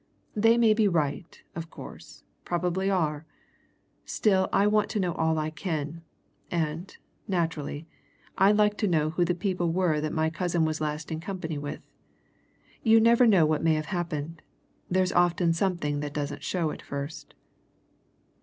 They may be right, of course probably are. Still I want to know all I can, and, naturally, I'd like to know who the people were that my cousin was last in company with. You never know what may have happened there's often something that doesn't show at first."